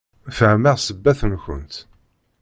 Fehmeɣ ssebbat-nkent.